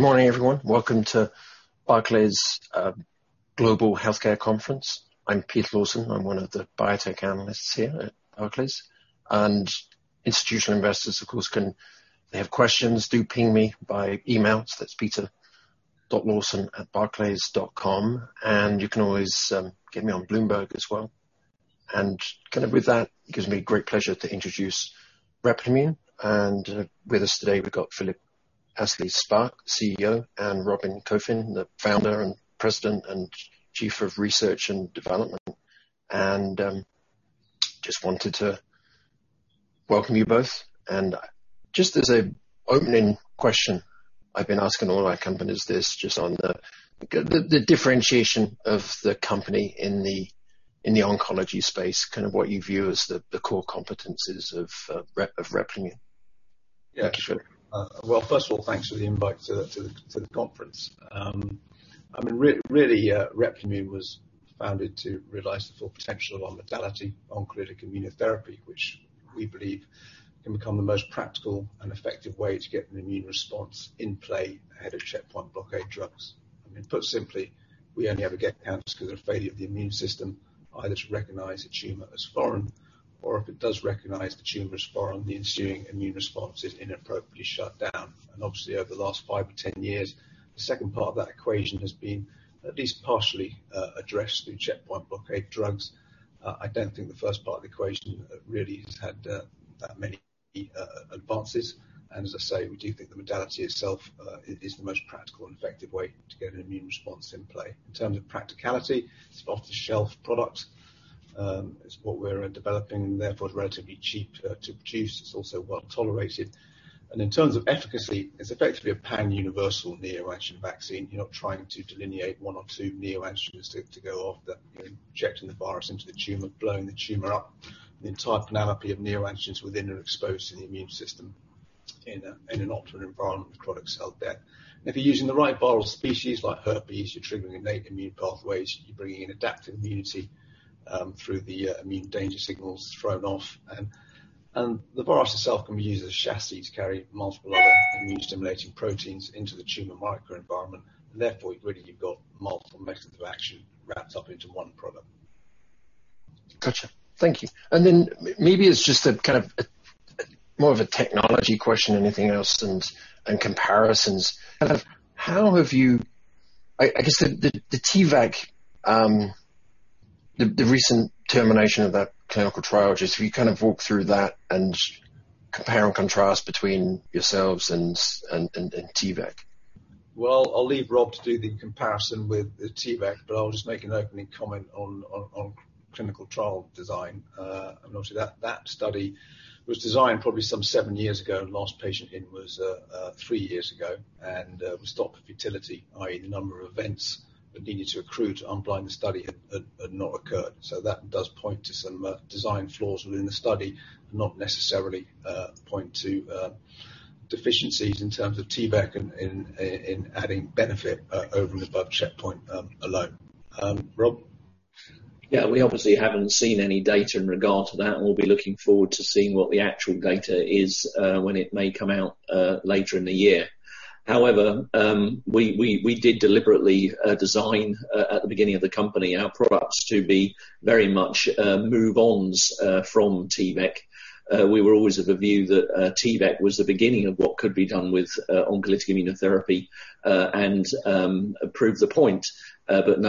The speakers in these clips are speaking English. Good morning, everyone. Welcome to Barclays Global Healthcare conference. I'm Pete Lawson. I'm one of the biotech analysts here at Barclays. Institutional investors, of course, if they have questions, do ping me by email. That's peter.lawson@barclays.com, and you can always get me on Bloomberg as well. With that, it gives me great pleasure to introduce Replimune. With us today, we've got Philip Astley-Sparke, the CEO, and Rob Coffin, the Founder and President, and Chief of Research and Development. Just wanted to welcome you both. Just as an opening question, I've been asking all our companies this just on the differentiation of the company in the oncology space, what you view as the core competencies of Replimune. Thank you, Philip. Yeah. Well, first of all, thanks for the invite to the conference. Really, Replimune was founded to realize the full potential of our modality, oncolytic immunotherapy, which we believe can become the most practical and effective way to get an immune response in play ahead of checkpoint blockade drugs. Put simply, we only ever get cancer because of a failure of the immune system either to recognize a tumor as foreign, or if it does recognize the tumor as foreign, the ensuing immune response is inappropriately shut down. Obviously, over the last five or 10 years, the second part of that equation has been at least partially addressed through checkpoint blockade drugs. I don't think the first part of the equation really has had that many advances. As I say, we do think the modality itself is the most practical and effective way to get an immune response in play. In terms of practicality, it's an off-the-shelf product. It's what we're developing, and therefore it's relatively cheap to produce. It's also well-tolerated. In terms of efficacy, it's effectively a pan-universal neoantigen vaccine. You're not trying to delineate one or two neoantigens to go after. You're injecting the virus into the tumor, blowing the tumor up, and the entire panoply of neoantigens within is exposed to the immune system in an optimal environment of productive cell death. If you're using the right viral species like herpes, you're triggering innate immune pathways; you're bringing in adaptive immunity through the immune danger signals thrown off. The virus itself can be used as a chassis to carry multiple other immune-stimulating proteins into the tumor microenvironment. Therefore, you've really got multiple mechanisms of action wrapped up into one product. Got you. Thank you. Maybe it's just more of a technology question than anything else and comparisons. I guess the T-VEC, the recent termination of that clinical trial. Just if you walk through that and compare and contrast yourselves and T-VEC. Well, I'll leave Rob to do the comparison with the T-VEC, but I'll just make an opening comment on clinical trial design. Obviously, that study was designed probably some seven years ago, and the last patient was enrolled three years ago and was stopped for futility, i.e., the number of events that needed to accrue to unblind the study had not occurred. That does point to some design flaws within the study and does not necessarily point to deficiencies in terms of T-VEC in adding benefit over and above checkpoint alone. Rob? We obviously haven't seen any data in regard to that, and we'll be looking forward to seeing what the actual data is when it may come out later in the year. We did deliberately design at the beginning of the company our products to be very much move-ons from T-VEC. We were always of the view that T-VEC was the beginning of what could be done with oncolytic immunotherapy and proved the point, but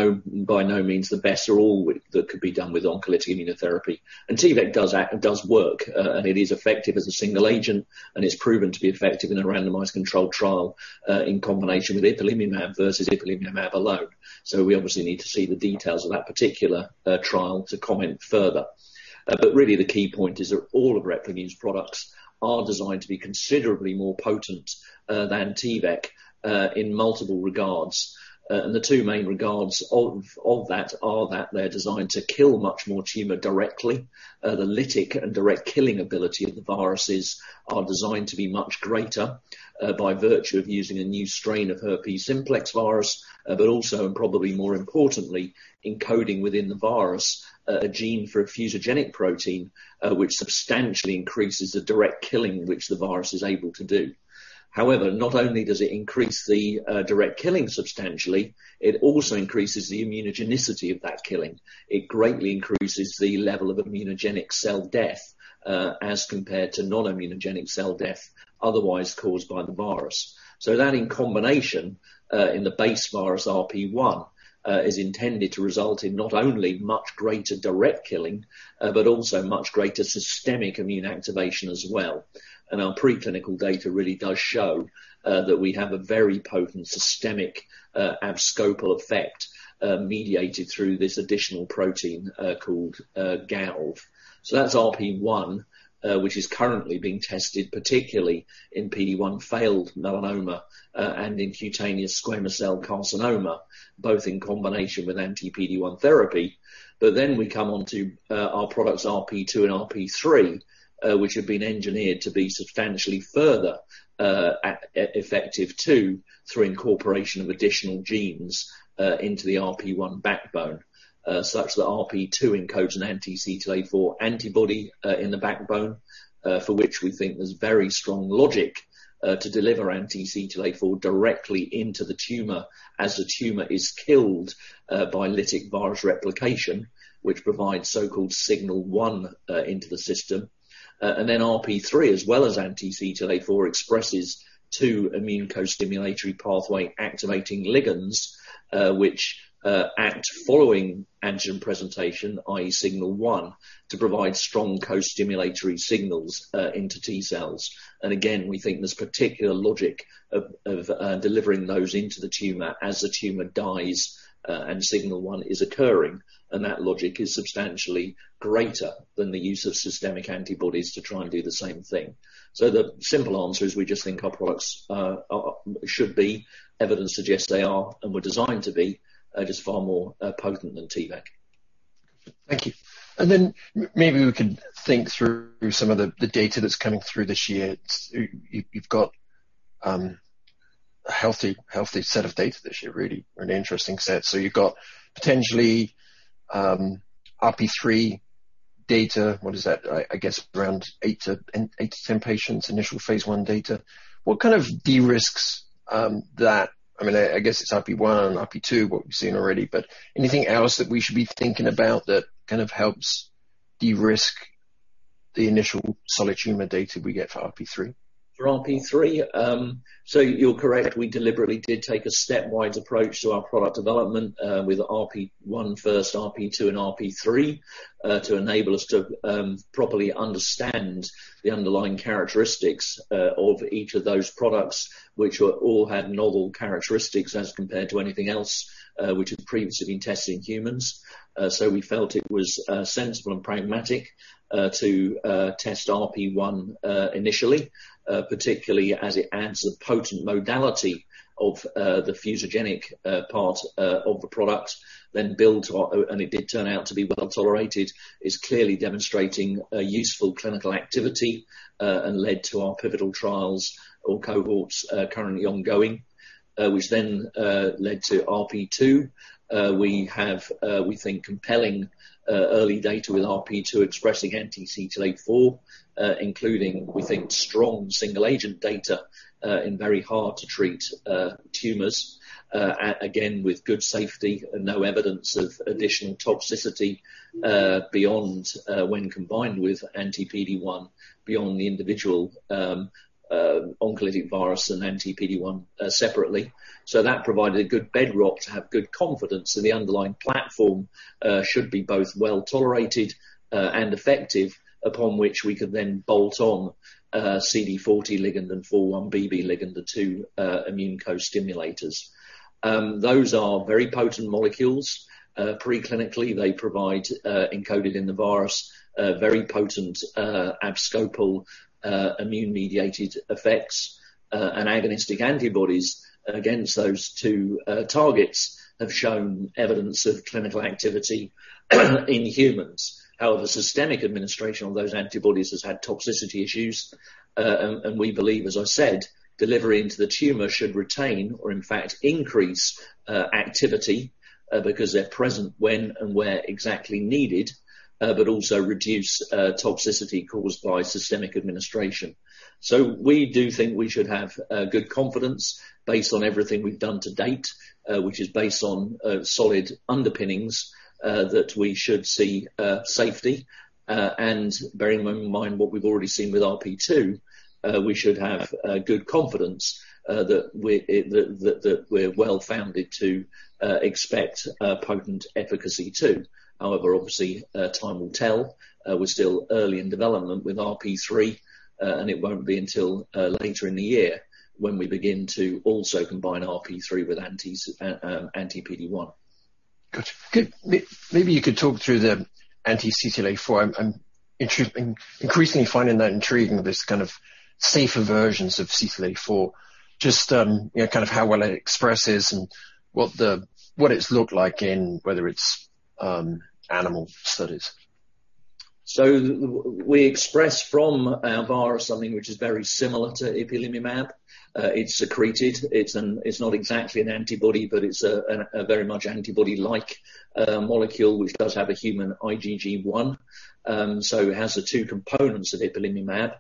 by no means the best or all that could be done with oncolytic immunotherapy. T-VEC does work, and it is effective as a single agent, and it's proven to be effective in a randomized controlled trial in combination with ipilimumab versus ipilimumab alone. We obviously need to see the details of that particular trial to comment further. Really, the key point is that all of Replimune's products are designed to be considerably more potent than T-VEC, in multiple regards. The two main regards of that are that they're designed to kill much more tumor directly. The lytic and direct killing abilities of the viruses are designed to be much greater, by virtue of using a new strain of herpes simplex virus, but also, and probably more importantly, encoding within the virus a gene for a fusogenic protein, which substantially increases the direct killing that the virus is able to do. However, not only does it increase the direct killing substantially, it also increases the immunogenicity of that killing. It greatly increases the level of immunogenic cell death, as compared to non-immunogenic cell death otherwise caused by the virus. That, in combination, in the base virus RP1, is intended to result in not only much greater direct killing but also much greater systemic immune activation as well. Our preclinical data really does show that we have a very potent systemic abscopal effect mediated through this additional protein, called GALV. That's RP1, which is currently being tested, particularly in PD-1 failed melanoma and in cutaneous squamous cell carcinoma, both in combination with anti-PD-1 therapy. We come onto our products, RP2 and RP3, which have been engineered to be substantially more effective too, through the incorporation of additional genes into the RP1 backbone, such that RP2 encodes an anti-CTLA4 antibody in the backbone, for which we think there's very strong logic to deliver anti-CTLA4 directly into the tumor as the tumor is killed by lytic virus replication, which provides so-called signal one into the system. RP3, as well as anti-CTLA4, expresses two immune co-stimulatory pathway-activating ligands, which act following antigen presentation, i.e., signal one, to provide strong co-stimulatory signals into T-cells. We think there's particular logic to delivering those into the tumor as the tumor dies and signal one is occurring, and that logic is substantially greater than the use of systemic antibodies to try and do the same thing. The simple answer is we just think our products should be; evidence suggests they are and were designed to be just far more potent than T-VEC. Thank you. Maybe we could think through some of the data that's coming through this year. You've got a healthy set of data this year, really, an interesting set. You've got potentially RP3 data. What is that? I guess around eight to 10 patients, initial phase I data. What kind of de-risking is that? I guess it's RP1 and RP2, what we've seen already. Is there anything else that we should be thinking about that kind of helps de-risk the initial solid tumor data we get for RP3? For RP3, you're correct; we deliberately did take a stepwise approach to our product development with RP1 first, RP2, and RP3, to enable us to properly understand the underlying characteristics of each of those products, which all had novel characteristics as compared to anything else that had previously been tested in humans. We felt it was sensible and pragmatic to test RP1 initially, particularly as it adds a potent modality of the fusogenic part of the product, and it did turn out to be well-tolerated. It's clearly demonstrating a useful clinical activity and led to our pivotal trials or cohorts currently ongoing, which then led to RP2. We have, we think, compelling early data with RP2 expressing anti-CTLA-4, including, we think, strong single-agent data in very hard-to-treat tumors. Again, with good safety and no evidence of additional toxicity when combined with anti-PD-1 beyond the individual oncolytic virus and anti-PD-1 separately. That provided a good bedrock to have good confidence that the underlying platform should be both well-tolerated and effective, upon which we could then bolt on CD40 ligand and 4-1BB ligand, the two immune co-stimulators. Those are very potent molecules. Preclinically, they provide, encoded in the virus, very potent abscopal immune-mediated effects, and agonistic antibodies against those two targets have shown evidence of clinical activity in humans. However, systemic administration of those antibodies has had toxicity issues. We believe, as I said, delivery into the tumor should retain or, in fact, increase activity because they're present when and where exactly needed but also reduce toxicity caused by systemic administration. We do think we should have good confidence based on everything we've done to date, which is based on solid underpinnings, that we should see safety. Bearing in mind what we've already seen with RP2, we should have good confidence that we're well-founded to expect potent efficacy too. However, obviously, time will tell. We're still early in development with RP3, and it won't be until later in the year when we begin to also combine RP3 with anti-PD-1. Got you. Good. Maybe you could talk through the anti-CTLA-4. I'm increasingly finding that intriguing, this kind of safer version of CTLA4. How well it expresses and what it's looked like in, whether it's animal studies? We express from our virus something that is very similar to ipilimumab. It's secreted. It's not exactly an antibody, but it's a very much antibody-like molecule, which does have a human IgG1. It has the two components of ipilimumab.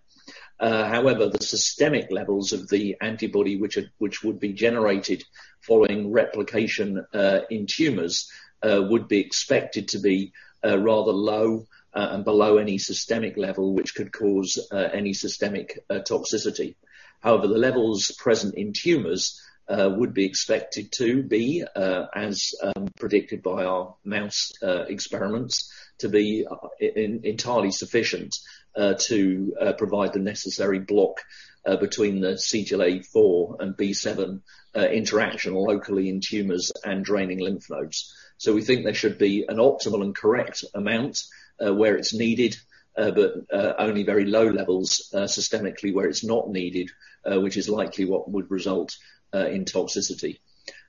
However, the systemic levels of the antibody, which would be generated following replication in tumors, would be expected to be rather low and below any systemic level, which could cause any systemic toxicity. However, the levels present in tumors would be expected to be, as predicted by our mouse experiments, to be entirely sufficient to provide the necessary block between the CTLA4 and B7 interaction locally in tumors and draining lymph nodes. We think there should be an optimal and correct amount where it's needed, but only very low levels systemically where it's not needed, which is likely what would result in toxicity.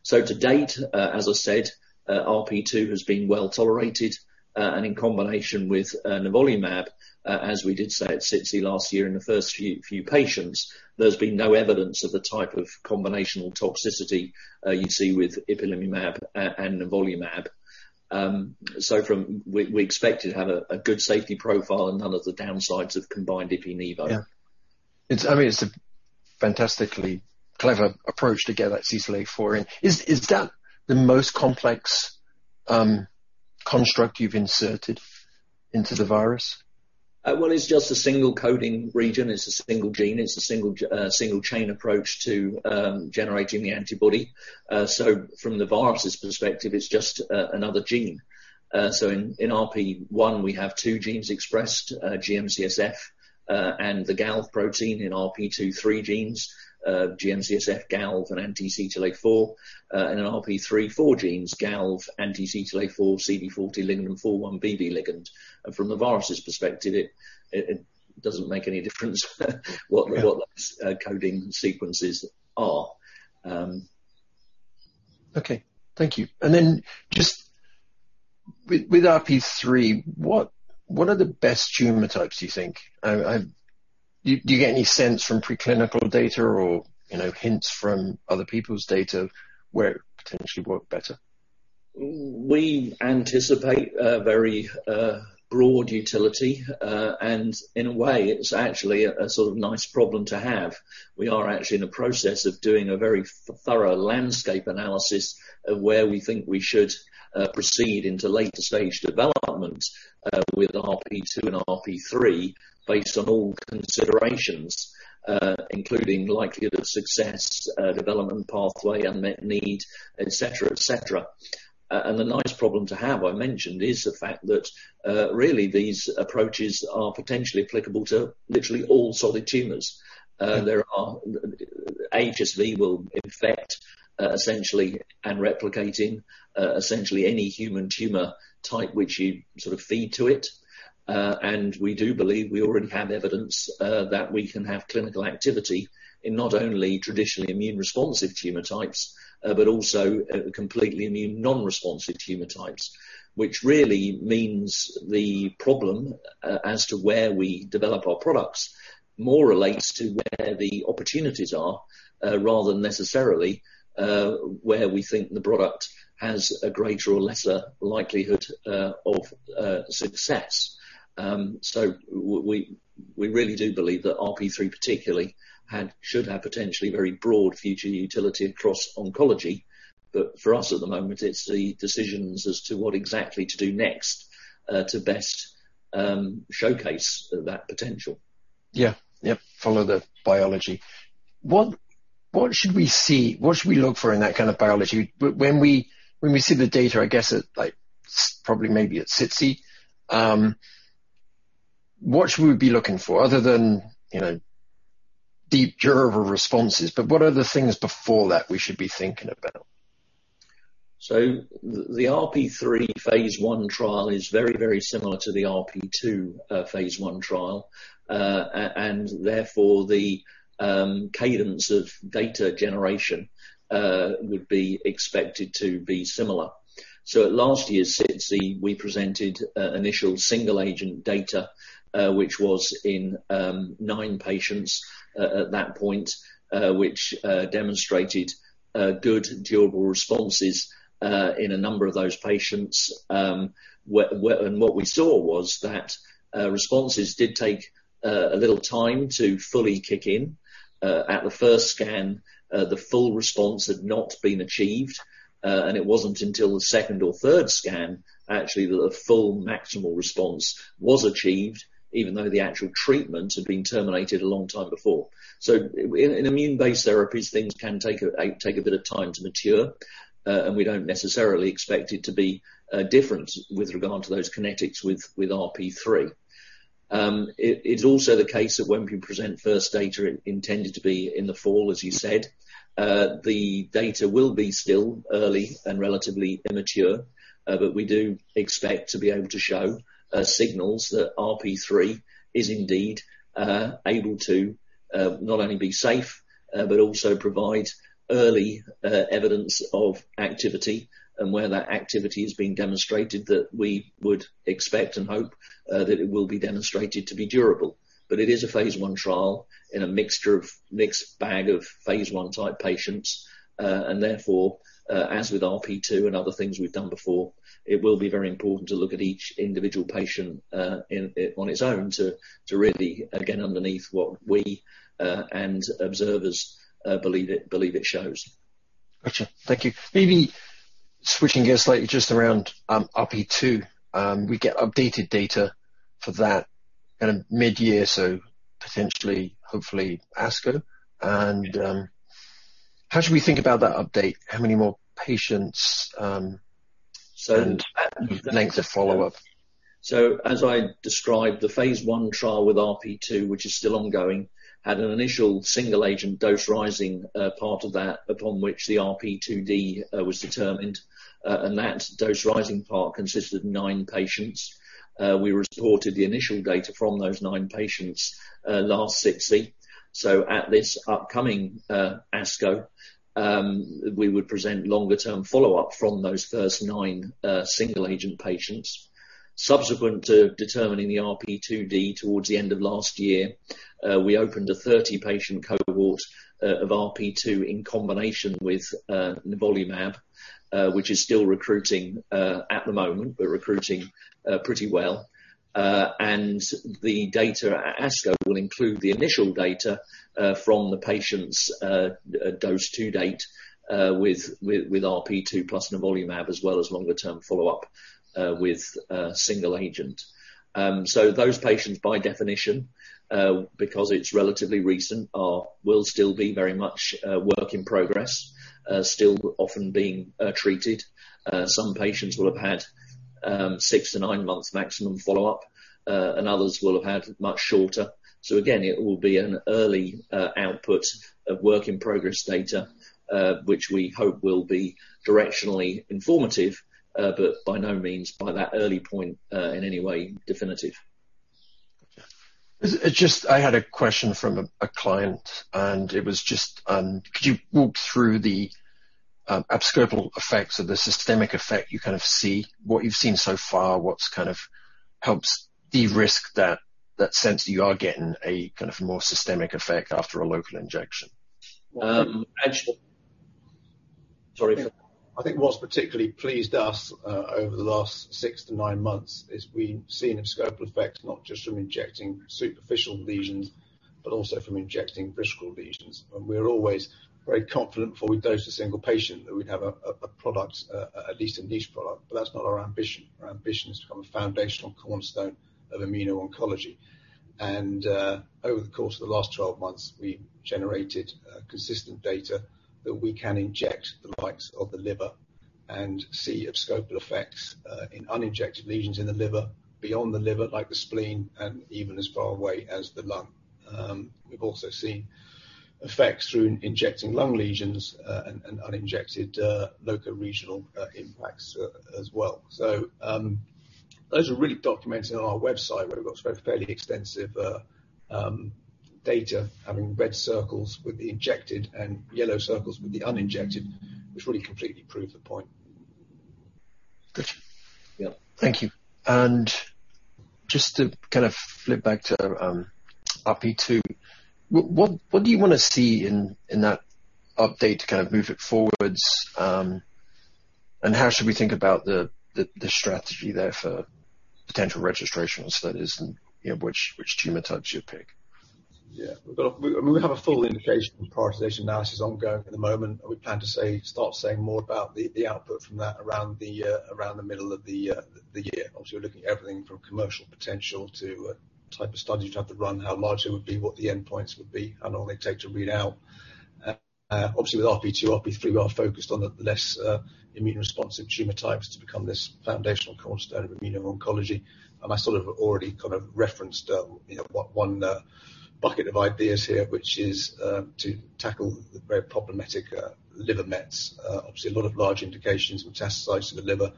To date, as I said, RP2 has been well-tolerated. In combination with nivolumab, as we did say at SITC last year in the first few patients, there's been no evidence of the type of combinational toxicity you'd see with ipilimumab and nivolumab. We expect it to have a good safety profile and none of the downsides of combined Ipi/Nivo. Yeah. It's a fantastically clever approach to get that CTLA4 in. Is that the most complex construct you've inserted into the virus? It's just a single coding region. It's a single gene. It's a single-chain approach to generating the antibody. From the virus's perspective, it's just another gene. In RP1, we have two genes expressed, GM-CSF, and the GALV protein. In RP2, three genes: GM-CSF, GALV, and anti-CTLA-4. In RP3, four genes: GALV, anti-CTLA-4, CD40 ligand, and 4-1BB ligand. From the virus's perspective, it doesn't make any difference what those coding sequences are. Okay. Thank you. Just with RP3, what are the best tumor types, do you think? Do you get any sense from preclinical data or hints from other people's data where it potentially works better? We anticipate a very broad utility. In a way, it's actually a sort of nice problem to have. We are actually in the process of doing a very thorough landscape analysis of where we think we should proceed into later-stage development, with RP2 and RP3, based on all considerations, including likelihood of success, development pathway, unmet need, et cetera. The nice problem to have, I mentioned, is the fact that, really, these approaches are potentially applicable to literally all solid tumors. HSV will infect, essentially, and replicate in essentially any human tumor type that you sort of feed to it. We do believe we already have evidence that we can have clinical activity in not only traditionally immune-responsive tumor types but also completely immune non-responsive tumor types, which really means the problem as to where we develop our products more relates to where the opportunities are, rather than necessarily where we think the product has a greater or lesser likelihood of success. We really do believe that RP3 particularly should have potentially very broad future utility across oncology. For us at the moment, it's the decisions as to what exactly to do next to best showcase that potential. Yeah. Follow the biology. What should we look for in that kind of biology? When we see the data, I guess at, like, probably maybe at SITC, what should we be looking for other than deep durable responses, but what are the things before that we should be thinking about? The RP3 phase I trial is very similar to the RP2 phase I trial. Therefore, the cadence of data generation would be expected to be similar. At last year's SITC, we presented initial single-agent data, which was from nine patients at that point, which demonstrated good durable responses in a number of those patients. What we saw was that responses did take a little time to fully kick in. At the first scan, the full response had not been achieved, and it wasn't until the second or third scan, actually, that a full maximal response was achieved, even though the actual treatment had been terminated a long time before. In immune-based therapies, things can take a bit of time to mature, and we don't necessarily expect it to be different with regard to those kinetics with RP3. It's also the case that when we present the first data intended to be in the fall, as you said, the data will still be early and relatively immature. We do expect to be able to show signals that RP3 is indeed able to not only be safe but also provide early evidence of activity. Where that activity is being demonstrated, we would expect and hope that it will be demonstrated to be durable. It is a phase I trial in a mixture of a mixed bag of phase I type patients. Therefore, as with RP2 and other things we've done before, it will be very important to look at each individual patient on its own to really get underneath what we and observers believe it shows. Got you. Thank you. Maybe switching gears slightly just around RP2. We get updated data for that mid-year, so potentially, hopefully, ASCO. How should we think about that update? How many more patients— So- Length of follow-up. As I described, the phase I trial with RP2, which is still ongoing, had an initial single-agent dose-rising part of that upon which the RP2D was determined. That dose-rising part consisted of nine patients. We reported the initial data from those nine patients last SITC. At this upcoming ASCO, we would present longer-term follow-up from those first nine single-agent patients. Subsequent to determining the RP2D towards the end of last year, we opened a 30-patient cohort of RP2 in combination with nivolumab, which is still recruiting at the moment but recruiting pretty well. The data at ASCO will include the initial data from the patients doses to date with RP2 plus nivolumab, as well as longer-term follow-up with a single agent. Those patients, by definition, because it's relatively recent, will still be very much a work in progress, still often being treated. Some patients will have had six to nine months maximum follow-up, and others will have had much shorter. Again, it will be an early output of work-in-progress data, which we hope will be directionally informative but by no means, by that early point, in any way definitive. I had a question from a client, and could you walk through the abscopal effects or the systemic effect you see? What you've seen so far, what helps de-risk that sense that you are getting a more systemic effect after a local injection? Actually- Sorry. I think what's particularly pleased us over the last six to nine months is we've seen abscopal effects not just from injecting superficial lesions but also from injecting visceral lesions. We're always very confident before we dose a single patient that we'd have a product, at least a niche product. That's not our ambition. Our ambition is to become a foundational cornerstone of immuno-oncology. Over the course of the last 12 months, we've generated consistent data that we can inject the likes of the liver and see abscopal effects in uninjected lesions in the liver, beyond the liver, like the spleen, and even as far away as the lung. We've also seen effects through injecting lung lesions and uninjected local regional impacts as well. Those are really documented on our website, where we've got fairly extensive data with red circles with the injected and yellow circles with the uninjected, which really completely prove the point. Got you. Yeah. Thank you. Just to flip back to RP2, what do you want to see in that update to move it forwards? How should we think about the strategy there for potential registrations? That is, which tumor types you'd pick. Yeah. We have a full indication prioritization analysis ongoing at the moment. We plan to start saying more about the output from that around the middle of the year. Obviously, we're looking at everything from commercial potential to what type of studies you'd have to run, how large it would be, what the endpoints would be, and how long it'd take to read out. Obviously, with RP2, RP3, we are focused on the less immune-responsive tumor types to become this foundational cornerstone of immuno-oncology. I sort of already referenced one bucket of ideas here, which is to tackle the very problematic liver mets. Obviously, a lot of large indications metastasize to the liver.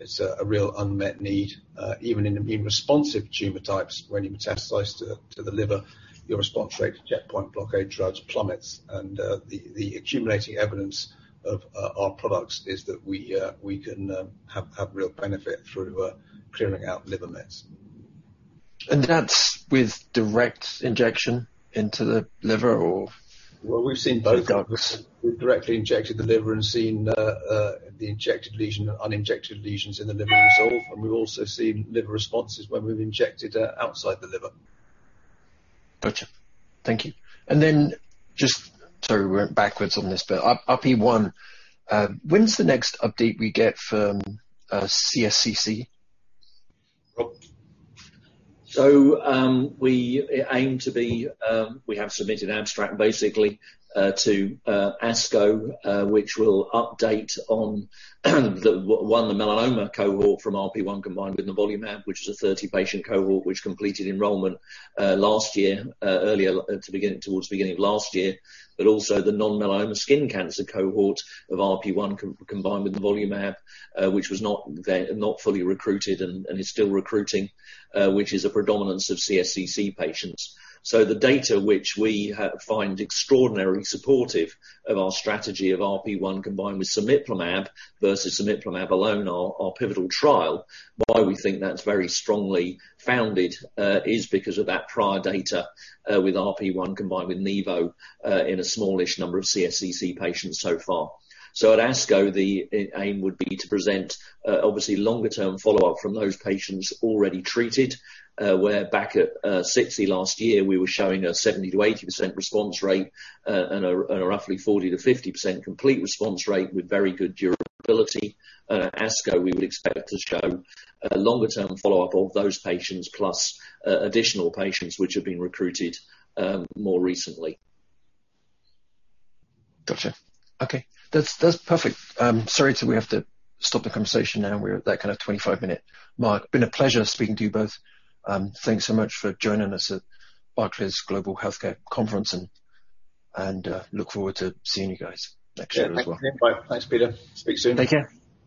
It's a real unmet need. Even in immune-responsive tumor types, when you metastasize to the liver, your response rate to checkpoint blockade drugs plummets. The accumulating evidence of our products is that we can have real benefit through clearing out liver mets. That's with direct injection into the liver. Well, we've seen both. We've directly injected the liver and seen the injected lesion and uninjected lesions in the liver resolve, and we've also seen liver responses when we've injected outside the liver. Got you. Thank you. Just, sorry, we went backwards on this bit. RP1, when's the next update we get from CSCC? We have submitted an abstract basically to ASCO, which will update on one, the melanoma cohort from RP1 combined with nivolumab, which is a 30-patient cohort that completed enrollment last year, towards the beginning of last year. Also, the non-melanoma skin cancer cohort of RP1 combined with nivolumab, which was not fully recruited and is still recruiting, has a predominance of CSCC patients. The data which we find extraordinarily supportive of our strategy of RP1 combined with cemiplimab versus cemiplimab alone, are our pivotal trial. Why we think that's very strongly founded is because of that prior data, with RP1 combined with nivo, in a smallish number of CSCC patients so far. At ASCO, the aim would be to present obviously longer-term follow-up from those patients already treated, whereas back at SITC last year, we were showing a 70%-80% response rate and a roughly 40%-50% complete response rate with very good durability. ASCO, we would expect to show a longer-term follow-up of those patients plus additional patients who have been recruited more recently. Got you. Okay. That's perfect. I'm sorry that we have to stop the conversation now. We're at that 25-minute mark. Been a pleasure speaking to you both. Thanks so much for joining us at Barclays Global Healthcare conference, and look forward to seeing you guys next year as well. Yeah. Thank you. Bye. Thanks, Peter. Speak soon. Take care.